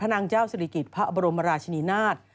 พระนางเจ้าศิริกิตพระอบรมราชนินาธิ์